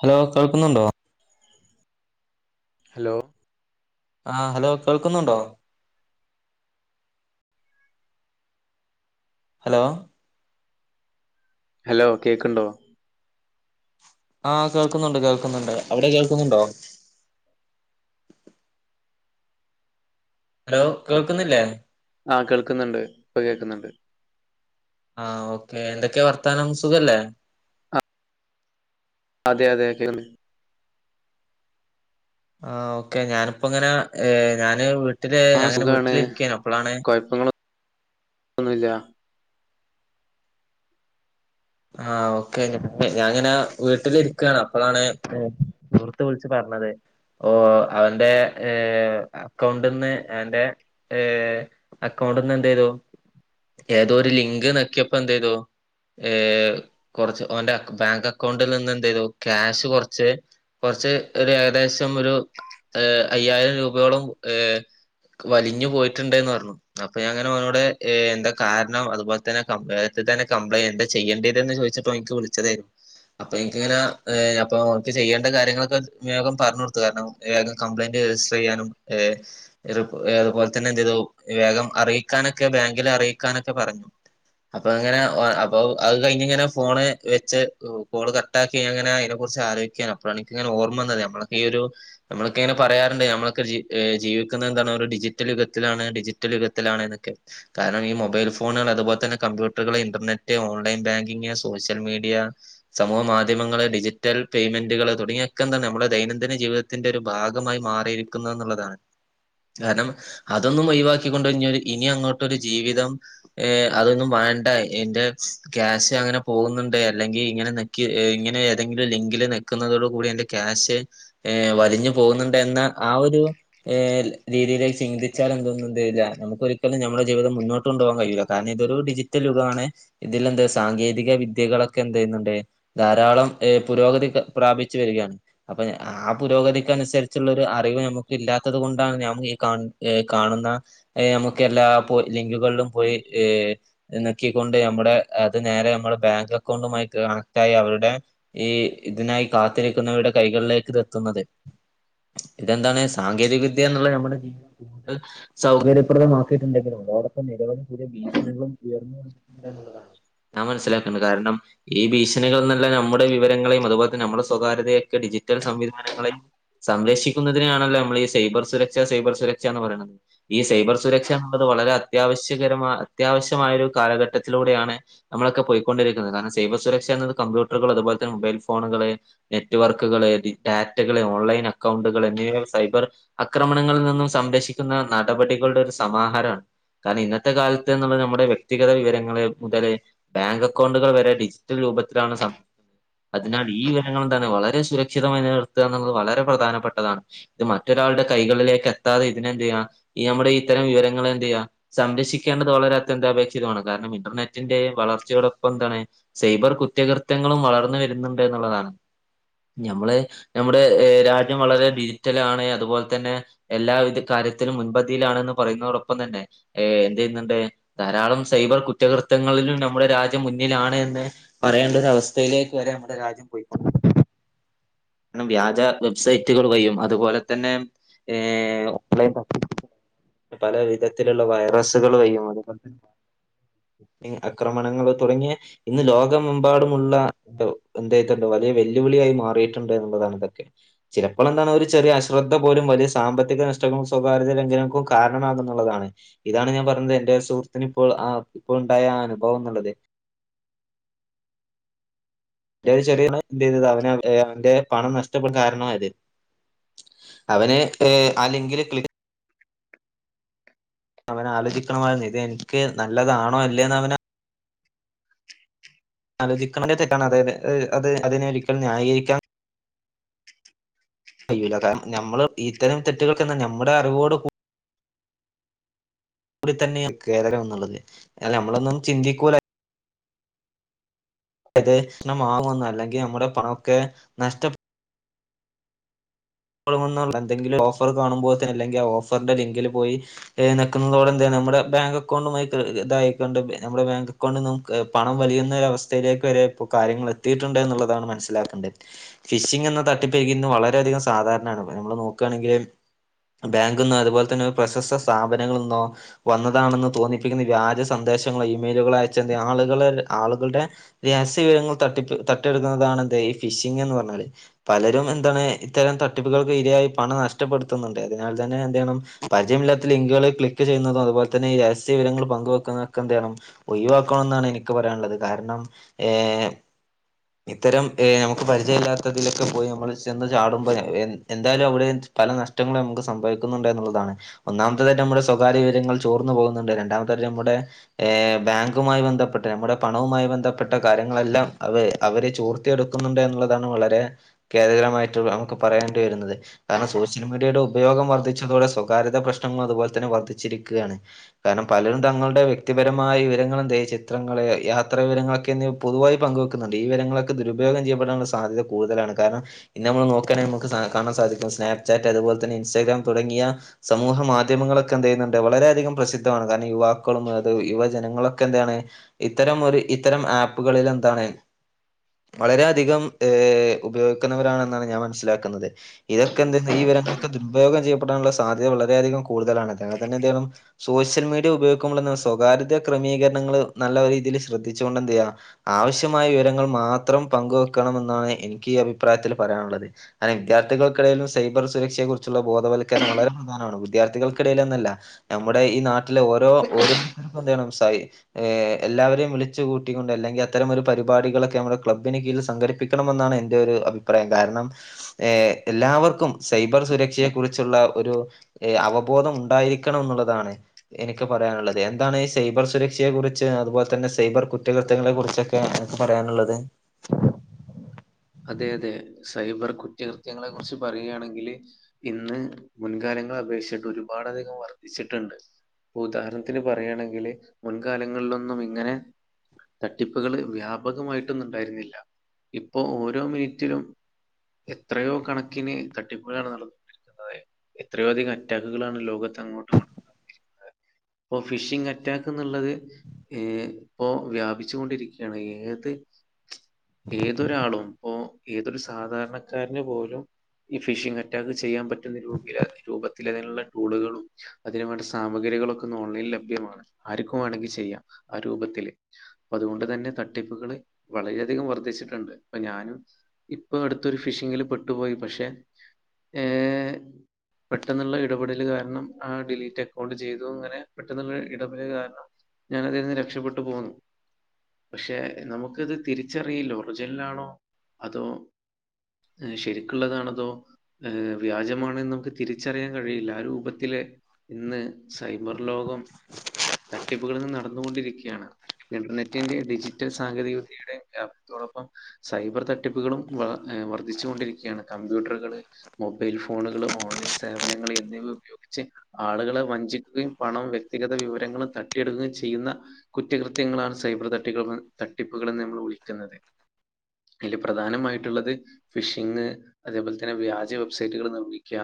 Hello, കേൾക്കുന്നുണ്ടോ. Hello, ആഹ് hello കേൾക്കുന്നുണ്ടോ? ഹലോ, ഹലോ, കേക്കുണ്ടോ? ആഹ് കേൾക്കുന്നുണ്ട് കേൾക്കുന്നുണ്ട് അവിടെ കേൾക്കുന്നുണ്ടോ? ഹലോ കേൾക്കുന്നില്ലേ? ആഹ് കേൾക്കുന്നുണ്ട് ഇപ്പ കേൾക്കുന്നുണ്ട്. ആഹ് ഓക്കെ എന്തൊക്കെയാ വർത്താനം സുഖല്ലേ? ആ അതെ അതെ [unintelligible] ആഹ് ഓക്കെ ഞാനിപ്പോ ഇങ്ങനെ ഞാന് വീട്ടില് അങ്ങനെ വീട്ടിലിരികേണ്‌ അപ്പളാണ്. അയ്പങ്ങള ഒന്നുല്യ ആഹ് ഓക്കെ ഞാൻ ഇങ്ങനെ വീട്ടിലിരിക്കാണ് അപ്പഴാണ്. സുഹൃത്ത് വിളിച്ച് പറഞ്ഞത്. ഓഹ് അവന്റെ ഏഹ് അക്കൗണ്ട്ന്ന് അവന്റെ. ഏഹ് അക്കൗണ്ടന്ന് എന്തയ്തു ഏതോ ഒരു ലിങ്ക് നക്ക്യപ്പോ എന്തയ്തോ. ഏഹ് കൊറച്ച് ഓന്റെ അക് ബാങ്ക് അക്കൗണ്ടിൽ നിന്ന് എന്ത്യ്തു ക്യാഷ് കുറച്ച്. കുറച്ച് ഒരു ഏകദേശം ഒരു എഹ് അയ്യായിരം രൂപയോളം ഏഹ് ക്ക്‌ വലിഞ്ഞു പോയിട്ടുണ്ട്ന്ന് ർഞ്ഞു. അപ്പൊ ഞാങ്ങെനെ ഓനോട് എന്താ കാരണം അതുപോലെ തന്നെ [inaudible] തന്നെ കപ്ലയിൻറ് ചെയ്യണ്ട്യെതന്ന് ചോദിച്ചിട്ടോ എനിക്ക് വിളിച്ചതേഞ്. അപ്പൊ എനിക്കിങ്ങനെ ഏഹ് അപ്പൊ വക്ക് ചെയ്യേണ്ട കാര്യങ്ങളൊക്കെ വേഗം പറഞ്ഞു കൊടുത്തു കാരണം. ഏഗം കംപ്ലയിന്റ് രജിസ്റ്ററെയ്യാനും. എരു എതുപോൽതന്നെ എന്തയ്തു വേഗം അറിയിക്കാനൊക്കെ ബാങ്കില അറിയിക്കാനൊക്കെ പറഞ്ഞു. അപ്പൊ അങ്ങനെ ഓ അപ് അപ്പൊ അഹ് കഴിഞ് ഇങ്ങനെ ഫോണ് വെച്ച് കോള് കട്ടാക്കി അങ്ങനെ അയ്നെ കുറിച്ച് ആലോചികെനു. പനിക്ക്ങ്ങന ഓർമ്മന്ന നമ്മലോക്കെ ഈ ഒരു. നമ്മളൊക്കെങ്ങനെ പറയാറുണ്ട് നമ്മളക്കെ ജി ഏഹ് ജീവിക്കുന്ന എന്താണ് ഒരു ഡിജിറ്റൽ യുഗത്തിലാണ് ഡിജിറ്റൽ യുഗത്തിലാണ് എന്നൊക്കെ കാരണം ഈ മൊബൈൽ ഫോണുകൾ അതുപോൽതന്നെ കമ്പ്യൂട്ടറുകൾ internet online banking social media സമൂഹ മാധ്യമങ്ങള് ഡിജിറ്റൽ പേയ്മെന്റുകള് തുടങ്ങിയൊക്കെ എന്താണ് നമ്മുടെ ദൈനംദിന ജീവിത ത്തിന്റെ ഒരു ഭാഗമായി മാറിയിരിക്കുന്ന എന്നുള്ളതാണ് കാരണം അതൊന്നും ഒഴിവാക്കിക്കൊണ്ടഴിഞ്ഞാ ഒരു ഇനി അങ്ങോട്ടരു ജീവിതം ഏഹ് അതൊന്നും വേണ്ട എന്റെ ക്യാഷ് അങ്ങനെ പോകുന്നുണ്ട് അല്ലെങ്കിൽ ഇങ്ങനെ നക്കി ഇങ്ങനെ ഏതെങ്കിലും ലിങ്കില് നെ ക്കുന്നതോടു കൂടി എറെ ക്യാഷ് ഏഹ് വലിഞ്ഞു പോകുന്നുണ്ട് എന്ന ആ ഒരു ഏഹ് രീതിയിലേക്ക് ചിന്തിച്ചാലെന്തൊന്നും [unintelligible] നമുക്കൊരിക്കലുംമ്മുടെ ജീവിതം മുന്നോട്ടൊണ്ടോവാൻ കഴിയുല കാരണം ഇതൊരു ഡിജിറ്റൽ യുഗമാണ് ഇതില എന്ത സാങ്കേതിക വിദ്യകളൊക്കെ എന്തയ്യുന്നുണ്ട് ധാരാളം ഏഹ് പുരോഗതി പ്രാപിച്ചു വരികയാണ് അപ്പൊ ആഹ് പുരോഗതിക്ക് അനുസരിച്ചുള്ളൊരു അറിവ് ഞമ്മുക്ക് ഇല്ലാത്തത് കൊണ്ടാണ് ഞാ ഈ കാ ഏഹ് കാണുന്ന എയമുക്ക് എല്ലാ പോ ലിങ്കുകളിലും പോയി ഈ നക്കിക്കൊണ്ട് നമ്മുടെ അത് നേരെ നമ്മുടെ ബാങ്ക് അക്കൗണ്ടുമായി കണക്റ്റ ആയി അവരുടെ ഈ ഇതിനായി കാത്തിരിക്കുന്നവര്ടെ കൈകളിലേക്ക്ത് ത്തുന്നത് ഇതെന്താണ് സാങ്കേതിക വിദ്യ എന്നുള്ള നമ്മുടെ ജീവിതം കൂടുതൽ സൗകര്യപ്രദമാ ക്ട്ട്ണ്ടങ്കില അതോടൊപ്പ നിരവധി പുതിയ ഭീസണുകളും ഉയർന്നണ്ട് ഞൻ മനസിലാക്കണ്ട് കാരണം ഈ ഭീഷണികൾന്നല്ല നമ്മുടെ വിവരങ്ങളെയും അതുപോ നമ്മുടെ സ്വകാര്യതയൊക്കെ ഡിജിറ്റൽ സംവിധാനങ്ങളെയും സംരക്ഷിക്കുന്നതിനാണല്ലോ നമ്മൾ ഈ സൈബർ സുരക്ഷ സൈബർ സുരക്ഷന്ന് പറയണുന്നത് ഈ സൈബർ സുരക്ഷ എന്നുള്ളത് വളരെ അത്യാവശ്യകരമായ അത്യാവശ്യമായ ഒരു കാലഘട്ടത്തിലൂടെയാണ് നമ്മളൊക്കെ പോയിക്കൊണ്ടിരിക്കുന്നത് കാര സൈവ സുരക്ഷ എന്നത് കമ്പ്യൂട്ടറുകള് അതുപോലെ തന്നേ മൊബൈൽ ഫോണുകള് നെറ്റ്വർക്കുകള് ഡാറ്റകള് ഓൺലൈൻ അക്കൗണ്ടുകൾ എന്നിവ സൈബർ ആക്രമണങ്ങളിൽ നിന്നും സംരക്ഷിക്കുന്ന നടപടികളുടെ ഒരു സമാഹാരമാണ് കാരണം ഇന്നത്തെ കാലത്ത്ന്നുള്ള നമ്മുടെ വ്യക്തിഗത വിവരങ്ങ ങ്ങള് മുതൽ ബാങ്ക് അക്കൗണ്ടുകൾ വരെ ഡിജിറ്റൽ രൂപത്തിലാണ് സംഭിക്കുന്നത് അതിനാൽ ഈ വിവരങ്ങൾ എന്താണ് വളരെ സുരക്ഷിതമായി നില നിർത്തുക എന്നുള്ളത് വളരെ പ്രധാനപ്പെട്ടതാണ് ഇത് മറ്റൊരാളുടെ കൈകളിലേക്ക് എത്താതെ ഇതിനെന്ത് ചെയ്യാ ഈ നമ്മുടെ ഇത്തരം വിവരങ്ങൾ എന്ത്െയ്യാ സംരക്ഷിക്കേണ്ടത് വളരെ അത്യന്ത അപേക്ഷിതമാണ് കാരണം ഇന്റർനെറ്റിന്റെ വളർച്ചയൊടൊപ്പം എന്താണ് സൈബർ കുറ്റകൃത്യങ്ങളും വളർന്നു വരുന്നുണ്ട് എന്നുള്ളതാണ് നഞമ്മള് നമ്മുടെ രാജ്യം വളരെ ഡിജിറ്റലാണ് അതുപോലെ തന്നെ എല്ലാവിധ കാര്യത്തിലും മുൻപതിയിലാണെന്ന് പറയുന്നതോടൊപ്പം തന്നെ ഏ എന്ത് ചെയ്യുന്നുണ്ട് ധാരാളം സൈബർ കുറ്റകൃത്യങ്ങളിലും നമ്മുടെ രാജ്യം മുന്നിലാണ് എന്ന് പറയേണ്ട ഒരവസ്ഥയിലേക്ക് വരെ നമ്മടെ രാജ്യം പോയിക്ക കണം വ്യാജ വെബ്സൈറ്റുകൾ വയ്യും അതുപോലെ തന്നെ ഓൺലൈൻ പ പല വിധത്തിലുള്ള വൈറസുകൾ വയ്യും അതുപോലെ തന്നെ ആക്രമണങ്ങൾ തുടങ്ങിയ ഇന്ന് ലോകമെമ്പാടുമുള്ള എന്തണ്ടോ വലിയ വെല്ലുവിളിയായി മാറിയിട്ട് ണ്ട് എന്നുള്ളതാണ് ഇതൊക്കെ ചിലപ്പോൾ എന്താണ് ഒരു ചെറിയ അശ്രദ്ധ പോലും വലിയ സാമ്പത്തിക നഷ്ടങ്ങളും സ്വകാര്യ ലംഘനങ്ങക്കും കാരണമാകെന്നുള്ളതാണ് ഇതാണ് ഞാൻ പറഞ്ഞത് എന്റെ സുഹൃത്തിന് ഇപ്പോൾ ഇപ്പോൾ ഉണ്ടായ അനുഭവം എന്നുള്ളത് എ ചെറിയ എന്ത് ചെയ്ത് അവന് അവന്റെ പണം നഷ്ടപ്പെടുന്ന കാരണമായത് അവന് അല്ലെങ്കിൽക് അവൻ ആലോചിക്കണമായിരുന്നു ഇത് എനിക്ക് നല്ലതാണോ അല്ലേന്ന് അവന് ആലോചിക്കുന്നക്കാണ് അതായത് അത് അതിനെൊരിക്കൽ ന്യായീകരിക്കാൻ കയ്യൂല്ല കാരണം നമ്മള് ഇത്തരം തെറ്റുകൾക്കന്താ നമ്മുടെ അറിവോട് കൂ ന്നെയ കേരംള്ളത് നമ്മളൊന്നും ചിന്തിക്കുലെ അത് ഭക്ഷമാവന്ന അല്ലെങ്കിൽ നമ്മുടെ പണമൊക്കെ നഷ്ട [unintelligible] എന്തെങ്കിലും ഓഫർ കാണുമ്പോഴത്തിന് അല്ലെങ്കി ആഹ് ഓഫറിന്റ ലിങ്കില് പോയി ഏഹ് നെക്കുന്നതോടെ എന്തേ നമ്മുടെ ബാങ്ക് അക്കൗണ്ടുമായിട്ട് ഇതായിക്കൊണ്ട് നമ്മുടെ ബാങ്ക് അക്കൗണ്ട്ന്നും ക് പണം വലിയുന്ന ഒരവസ്ഥയിലേക്ക് വരെ ഇപ്പോ കാര്യങ്ങളെത്തിയിട്ടുണ്ട് ന്ന്ള്ളതാണ് മനസ്സിലാക്കണ്ടത് ഫിഷിംഗ് എന്ന തട്ടിപ്പെരുകി ഇന്ന് വളരെയധികം സാധാരണയാണ് മേ നമ്മള് നോക്കണെങ്കില് ബാങ്ക്ന്നോ അതുപോലെ തന്നെ പ്രശസ്ത സ്ഥാപനങ്ങള്ന്നോ വന്നതാണെന്ന് തോന്നിപ്പിക്കുന്ന വ്യാജ സന്ദേശങ്ങള് ഇമെയിലുകളയച്ചെന്തേ ആളുകളെ ആളുകളുടെ രഹസ്യ വിവരങ്ങൾ തട്ടിപ്പ് തട്ടിയെടുക്കുന്നതാണ് ദെയ്ഫ് ഫിഷിങ്ങെന്ന് പറഞ്ഞാല്. പലരും എന്താണ് ഇത്തരം തട്ടിപ്പുകൾക്ക് ഇരയായി പണം നഷ്ടപ്പെടുത്തുന്നുണ്ട് അതിനാൽ തന്നെ എന്തെയ്യണം പരിചയമില്ലാത്ത ലിങ്കുകള് ക്ലിക്ക് ക്ക് ചെയ്യുന്നതും അതുപോലെ തന്നെ ഈ രഹസ്യ വിവരങ്ങൾ പങ്കുവെക്കുന്നതൊക്ക എന്തെയ്യണം ഒയിവാക്കണോന്നാണ് എനിക്ക് ക്ക് പറയാനുള്ളത് കാരണം ഏഹ് ഇത്തരം ഏഹ് നമുക്ക് പരിചയല്ലാത്തതിലൊക്ക പോയി നമ്മള് ചെന്ന് ചാടുമ്പയേ എൻ എന്തായാലും അവിടെ പല നഷ്ടങ്ങള് നമുക്ക് സംഭവിക്കുന്നുണ്ട് എന്നുള്ളതാണ് ഒന്നാമത്തതായിട്ട് നമ്മുടെ സ്വകാര്യ വിവരങ്ങൾ ചോർന്നു പോകുന്നുണ്ട് രണ്ടാമത്തായിട്ട് നമ്മുടെ ഏഹ് ബാങ്കുമായി ബന്ധപ്പെട്ട നമ്മുടെ പണവുമായി ബന്ധ- പ്പെട്ട കാര്യങ്ങളെല്ലാം അവേ അവര് ചോർത്തിയെടുക്കുന്നുണ്ട് എന്നുള്ളതാണ് വളരെ ഖേദകരമായി ട്ട് നമുക്ക് പറയേണ്ടി വരുന്നത് കാരണം സോഷ്യൽ മീഡിയയുടെ ഉപയോഗം വർദ്ധിച്ചതോടെ സ്വകാര്യത പ്രശ്നങ്ങൾ അതുപോലെ തന്നെ വർദ്ധിച്ചിരിക്കുകയാണ് കാരണം പലരും തങ്ങളുടെ വ്യക്തിപരമായ വിവരങ്ങളെന്തേ ചിത്രങ്ങള് യാത്രാ വിവരങ്ങളൊക്കെ എന്തെയും പൊതുവായി പങ്കുവെക്കുന്നുണ്ട് ഈ വിവരങ്ങളൊക്കെ ദുരുപയോഗം ചെയ്യപ്പെടാനുള്ള സാധ്യത കൂടുതലാണ് കാരണം ഇന്ന് നമ്മള് നോക്ക് ആണെങ്കി നമുക്ക് കാ കാണാൻ സാധിക്കും സ്നാപ് ചാറ്റ് അതുപോലെ തന്നെ ഇൻസ്റ്റഗ്രാം തുടങ്ങിയ സമൂഹ മാധ്യമങ്ങളൊക്കെ എന്തെയ്യുന്നുണ്ട് വളരെയധികം പ്രസിദ്ധ് ദ്ധമാണ് കാരണം യുവാക്കളും അത് യുവജനങ്ങളൊക്കെ എന്താണ് ഇത്തരം ഒര് ഇത്തരം ആപ്പുകളിലെന്താണ് വളരെയധികം ഏഹ് ഉപയോഗിക്കുന്നവരാണെന്നാണ് ഞാൻ മനസ്സിലാക്കുന്നത് ഇതൊക്കെ എന്ത്ന്ന് ഈ വിവരങ്ങളൊക്കെ ദുരുപയോഗം ചെയ്യപ്പെടാനുള്ള സാധ്യത വളരെയധികം കൂടുതലാണ് ഒക്കങ്ങനെത്തന്നെ എന്തെയ്യണം സോഷ്യൽ മീഡിയ ഉപയോഗിക്കുമ്പോളിന്ന് സ്വകാര്യതാ ക്രമീകരണങ്ങള് നല്ല രീതിയില് ശ്രദ്ധിച്ചു കൊണ്ടെന്തെയ്യാ ആവശ്യമായ വിവരങ്ങൾ മാത്രം പങ്കുവെക്കണമെന്നാണ് എനിക്കീ അഭിപ്രായത്തില് പറയാന്ള്ളത് അനേ വിദ്യാർത്ഥികൾക്കെടേലും സൈബർ സുരക്ഷയെ കുറിച് ച്ചുള്ള ബോധവൽക്കരണം വളരെ പ്രധാനമാണ് വിദ്യാർത്ഥികൾക്കിടയിലെന്നല്ല നമ്മുടെ ഈ നാട്ട് ട്ടിലെ ഓരോ ഓരോരുത്തരുപ്പെന്തെയ്യണം സൈ ഏഹ് എല്ലാവരെയും വിളിച്ച് കൂട്ടിക്കൊണ്ട് അല്ലെങ്കി അത്തരമൊരു പരിപാടികളൊക്കെ നമ്മടെ ക്ലബ്ബിന് കീഴിൽ സംഘടി പ്പിക്കണമെന്നാണ് എൻ്റെ ഒരു അഭിപ്രായം കാരണം സ് ഏഹ് എല്ലാവർക്കും സൈബർ സുരക്ഷയെ കുറിച്ചുള്ള ഒരു ഏഹ് അവബോധം ഉണ്ടായിരിക്ക് ക്കണംന്നുള്ളതാണ് എനിക്ക് ക്ക് പറയാനുള്ളത് എന്താണ് ഈ സൈബർ സുരക്ഷയെ കുറിച്ച് അതുപോലെ തന്നെ സൈബർ കുറ്റകൃത്യങ്ങളെ കുറിച്ച് കേ എനക്ക് പറയാനുള്ളത് അതേയതെ സൈബർ കുറ്റകൃത്യങ്ങളെ കുറിച്ച് പറയുകയാണെങ്കില് ഇന്ന് മുൻകാലങ്ങളെ അപേക്ഷിച്ചട്ട് ഒരുപാടധികം വർദ്ധിച്ചിട്ട്ണ്ട്. ഉദാഹരണത്തിന് പറയാണെങ്കില് മുൻകാലങ്ങളിലൊന്നും ഇങ്ങനെ തട്ടിപ്പുകള് വ്യാപകമായിട്ടൊന്നും ഇണ്ടായിരുന്നില്ല ഇപ്പൊ ഓരോ മിനിറ്റിലും എത്രയോ കണക്കിന് തട്ടിപ്പുകളാണ് നട അതെ എത്രയോ അധികം അറ്റാക്കുകളാണ് ലോകത്തങ്ങോട്ടും ഇങ്ങോട്ടും [inaudible] ഇപ്പൊ ഫിഷിംഗ് അറ്റാക്ക്ന്ന്ള്ളത് ഏഹ് ഇപ്പോ വ്യാപിച്ചു കൊണ്ടിരിക്കുകയാണ് ഏത് ഏത് ഇപ്പോ ഏതൊരു സാധാരണക്കാരന് പോലും ഈ ഫിഷിംഗ് അറ്റാക്ക് ചെയ്യാൻ പറ്റുന്ന രൂപിലാ രൂപത്തിലതിനുള്ള ടൂളുകളും അതിന് വേണ്ട സാമഗ്രികളൊക്ക ഇന്ന് ഓൺലൈനിൽ ലഭ്യമാണ് ആര്ക്കും വേണെങ്കി ചെയ്യാം ആ രൂപത്തില് അതുകൊണ്ട് തന്നെ തട്ടിപ്പുകള് വളരെയധികം വർദ്ധിച്ചിട്ട് ട്ട്ണ്ട് ഇപ്പ ഞാനും ഇപ്പൊ അടുത്തൊരു ഫിഷിങ്ങില് പെട്ടുപോയി പക്ഷേ ഏ പെട്ടെന്നുള്ള ഇടപെടല് കാരണം ആഹ ഡിലീറ്റ് അക്കൗണ്ട് ചെയ്തു അങ്ങനെ പെട്ടെന്നുള്ള ഇടപെടല് കാരണം. ഞാനതിന്ന് രക്ഷപ്പെട്ടു പോന്നു പക്ഷെ നമുക്കത് തിരിച്ചറിയില്ലോ. ഒറിജിനലാണോ അതോ ശരിക്കുള്ളതാണതോ. ഏ വ്യാജമാണെന്ന് നമുക്ക് തിരിച്ചറിയാൻ കഴിയില്ല ആ രൂപത്തില്. ഇന്ന് സൈബർ ലോകം. തട്ടിപ്പുകള് നടന്നുകൊണ്ടിരിക്കുകയാണ് ഇന്റർനെറ്റിന്റെ ഡിജിറ്റൽ സാങ്കേതിക വിദ്യയുടെ. അതോടൊപ്പം സൈബർ തട്ടിപ്പുകളും വർദ്ധിച്ചു കൊണ്ടിരിക്കുകയാണ് കമ്പ്യൂട്ടറുകള്. മൊബൈൽ ഫോണുകള് ഓൺലൈൻ സേവനങ്ങള് എന്നിവ ഉപയോഗിച്ച്. ആളുകളെ വഞ്ചിക്കുകയും പണം വ്യക്തിഗത വിവരങ്ങളും തട്ടിയെടുക്കുകയും ചെയ്യുന്ന. കുറ്റകൃത്യങ്ങളാണ് സൈബർ തട്ടിക തട്ടിപ്പുകൾ എന്ന്നമ്മൾ വിളിക്കുന്നത്. അയ്ല് പ്രധാനമായിട്ടുള്ളത്. ഫിഷിംഗ് അതേപോലെ തന്നെ വ്യാജ വെബ്സൈറ്റുകൾ നിർമ്മിക്കുക.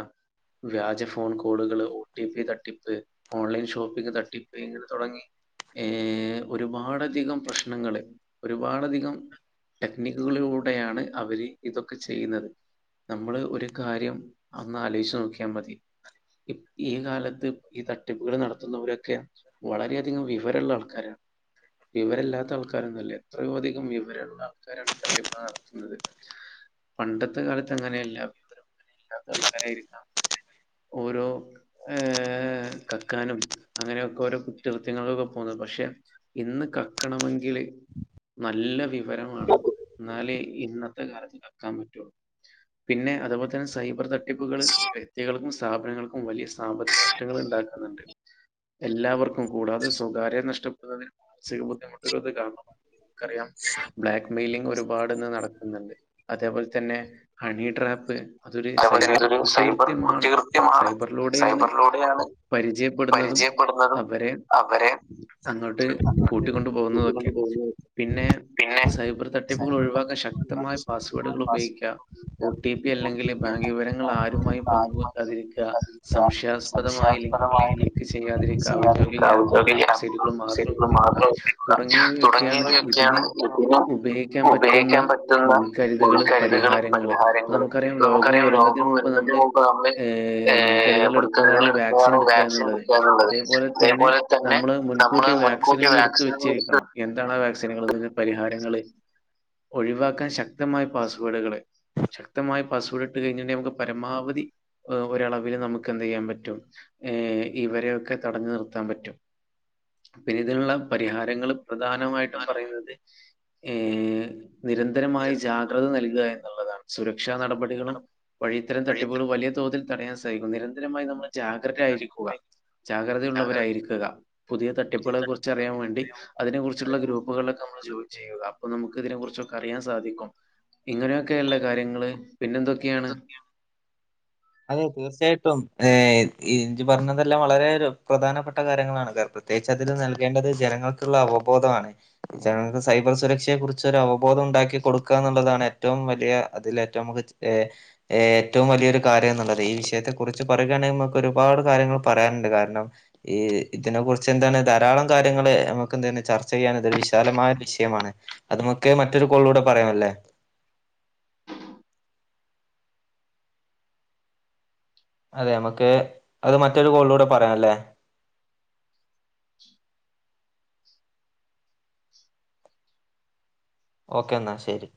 വ്യാജ ഫോൺ കോളുകള് ഒ ടി പി തട്ടിപ്പ്. ഓൺലൈൻ ഷോപ്പിങ് തട്ടിപ് ഇങ്ങനെ തുടങ്ങി. ഏഹ് ഒരുപാടധികം പ്രശ്നങ്ങള് ഒരുപാടധികം. ടെക്നിക്കുകളിലൂടെയാണ് അവര് ഇതൊക്കെ ചെയ്യുന്നത്. നമ്മള് ഒരു കാര്യം അന്ന് ആലോചിച്ച് നോക്കിയാൽ മതി. ഈ കാലത്ത് ഈ തട്ടിപ്പുകൾ നടത്തുന്നവരൊക്കെ വളരെയധികം വിവരമുള്ള ആൾക്കാരാണ്. വിവരല്ലാത്ത ആൾക്കാരൊന്നുമല്ല എത്രയധികംവി. ആൾക്കരാണ് തട്ടിപ് നടത്തുന്നത് പണ്ടത്തെ കാലത്ത് അങ്ങനെയല്ല വിവരം. ഇല്ലാത്ത ആൾക്കാരായിരിക്കാം ഓരോ. ഏ കക്കാനും അങ്ങനെയൊക്കെ ഓരോ കുറ്റകൃത്യങ്ങളും ഒക്കെ പോകുന്നത് പക്ഷെ. ഇന്ന് കക്കണമെങ്കിൽ നല്ല വി. വിവരം വേണ്ട എന്നാലേ ഇന്നത്തെ കാലത്ത് കക്കാൻ പറ്റുള്ളൂ. പിന്നെ അതുപോലെ തന്നെ സൈബർ തട്ടിപ്പുകൾ വ്യക്തികൾക്കും സ്ഥാപനങ്ങൾക്കും വലിയ. സാമ്പത്തിക നഷ്ടങ്ങള് ഉണ്ടാക്കുന്നുണ്ട് എല്ലാവർക്കും കൂടാതെ സ്വകാര്യ നഷ്ടപ്പെടുന്നതിന്. ചെറിയബുദ്ധിമുട്ടുളത് കാരണം അറിയാം. ബ്ലാക്ക് മെയിലിങ് ഒരുപാട്ന്ന് നടക്കുന്നുണ്ട് അതേപോലെ തന്നെ ഹണി ട്രാപ്പ്. അതൊരു അതേപോലെ തന്നെ സൈബർ ഇതൊരു സൈബർ കുറ്റകൃത്യമാണ് കുറ്റകൃത്യമാണ് സൈബറിലൂടെയാണ്. സൈബറിലൂടെയാണ് പരിചയപ്പെടുന്നതും പരിചയപ്പെടുന്നതും അവരെ അവരെ അങ്ങോട്ട് കൂട്ടിക്കൊണ്ടു പോകുന്നതൊക്കെ. കൂട്ടിക്കൊണ്ട് പിന്നെ പിന്നെ സൈബർ തട്ടിപ്പുകൾ സൈബർ ഒഴിവാക്കാൻ തട്ടിപ്പ് ഒരുപാട് ശക്തമായ ശക്തമായ പാസ്വേർഡുകൾ ഉപയോഗിക്കുക പാസ്വേഡുകൾ ഒ ഉപയോഗിക്കുക ടി പി ഒ അല്ലെങ്കിൽ. ടി പി ബാങ്ക് അല്ലെങ്കിൽ വിവരങ്ങൾ ആരുമായും കാര്യവിവരങ്ങൾ പങ്ക് ആരുമായി വെക്കാതിരിക്കുക പങ്കിടാതിരിക്കുക സംശയാസ്പദമായ ലിങ്കുകള സംശയാസ്പദമായ ക്ലിക്ക്. ഒക്കെ ലിങ്ക് ചെയ്യാതിരിക്കുക ഔദ്യോഗിക ചെയ്യാതിരിക്കുക ആപ്പുകളും ഔദ്യോഗിക ആപ്പുകളും സൈറ്റുകളും മാത്രമേ വെബ്സൈറ്റുകൾ ഉിക്ക തുടങ്ങിയവയൊക്കെയാണ്. ഒക്കെയാണ് ഇതിന് ഉപയോഗിക്കാൻ പറ്റുന്ന മുൻകരുതുകള് മുൻകരുതലുകൾ പരിഹാരങ്ങള് പരിഹാരങ്ങൾ നമുക്കറിയാം. രോഗം വരുന്നതിന് ലോകം മുമ്പ് നമ്മൾ വരുന്നതിന് മുമ്പ് നമ്മൾ ഏർ മുൻകരുതൽ മുൻകരുതൽ എടുക്കുന്നതാണ് വാക്സിൻ എടുക്കുകയാണ് എടുക്കുക വാക്സിൻ എന്നുള്ളത്. എടുക്കുക എന്നുള്ളത് അതേപോലെ തന്നെ അതേപോലെ തന്നെ നമ്മള് നമ്മൾ മുൻകൂട്ടി മുൻകൂട്ടി വാക്സിനുകൾ എടുത്ത് വാക്സിനുകൾ എടുക്കാനും വെച്ചിരിക്കണം. എന്താണ് വാക്സിനുകള് നിന്ന് പരിഹാരങ്ങൾ ഒഴിവാക്കാൻ ശക്തി. ശക്തമായ പാസ്വേഡുകൾ ശക്തമായ. പാസ്വേഡ് ഇട്ട് കഴിഞ്ണ്ടങ്കി നമുക്ക് പരമാവധി ഒരളവിൽ നമുക്ക് എന്ത് ചെയ്യാൻ പറ്റും. ഏ ഇവരെയൊക്കെ തടഞ്ഞു നിർത്താൻ പറ്റും പിന്നെ ഇതിനുള്ള പരിഹാരങ്ങളും. പ്രധാനമായിട്ടും പറയുന്നത് ഏ നിരന്തരമായി ജാത. ഏർ, ജാഗ്രത നൽകുക എന്നുള്ളതാണ് സുരക്ഷാ നടപടികളും വഴി ഇത്തരം തട്ടിപ്പുകളും വലിയ തോതിൽ. തടയാൻ സാധിക്കും നിരന്തരമായി നമ്മൾ ജാഗ്രത ആയിരിക്കുക ജാഗ്രത ജാഗ്രതയള്ളവരായിരിക്കുക പുതിയ തട്ടിപ്പുകളെ കുറിച്ച് അറിയാൻ വേണ്ടി അതിനെ കുുറിച്ചുള്ള ഗ്രൂപ്പുകളൊക്കെ നമ്മെയിനെ. ചെയ്യ അപ്പൊ നമുക്ക് ഇതിനെ കുറിച്ചൊക്കെ അറിയാൻ സാധിക്കും ഇങ്ങനെയൊക്കെയുള്ള കാര്യങ്ങള് പിന്നെന്തൊക്കെ. ക്കെയാണ് എന്തൊക്കെയാണ് അതെ തീർച്ചയായിട്ടും ഇജ പറഞ്ഞതെല്ലാം വളരെ പ്രധാനപ്പെട്ട കാര്യങ്ങളാണ് ഗർ. ത്യേകിച്ച് അതിൽ നൽകേണ്ടത് ജനങ്ങൾക്കുള്ള അവബോധമാണ് ജനങ്ങൾക്ക് സൈബർ സുരക്ഷയെ കുറിച് ച്ച് ഒരഅവബോധം ഉണ്ടാക്കി കൊടുക്കുക എന്നുള്ളതാണ് ഏറ്റ റ്റവും വലിയ അതിൽ ഏറ്റവും നമുക്ക് ഏറ്റവും വലിയൊരു കാര്യം എന്നുള്ളത് ഈ വിഷയത്തെ കുറിച്ച് പറയുകയാണെങ്കിൽ നമുക്ക് ഒരുപാട് കാര്യങ്ങൾ പറയാറുണ്ട് കാരണം ഈ ഇതിനെ കുറിച്ചെന്താണ് ധാരാളം കാര്യങ്ങള് അമുക്കെന്താണ് ചർച്ചെയ്യാന് തൊരു വിശാലമായൊര് വിഷയമാണ് അത് മൊക്കെ മറ്റൊരു കോൾളൂടെ പറയാമല്ലേ അതെ യമക്ക് അത് മറ്റൊരു കോൾളൂടെ പറയാല്ലേ ഓക്കേ ന്നാ ശെരി.